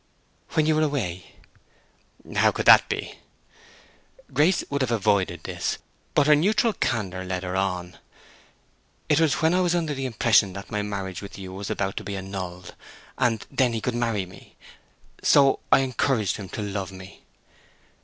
"When you were away." "How could that be?" Grace would have avoided this; but her natural candor led her on. "It was when I was under the impression that my marriage with you was about to be annulled, and that he could then marry me. So I encouraged him to love me."